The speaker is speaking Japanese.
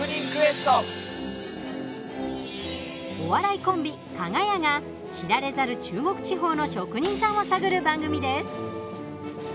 お笑いコンビかが屋が知られざる中国地方の職人さんを探る番組です。